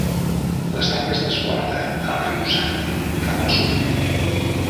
L'estany es desborda al riu Sandy cap al sud.